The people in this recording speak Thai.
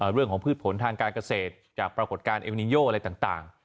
เรื่องของพืชผลทางการเกษตรจากปรากฏการณ์เอมินิโยอะไรต่าง